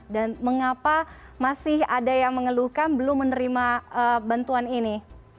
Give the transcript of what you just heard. dan mengapa masih ada yang mengeluhkan belum menerima bantuan ini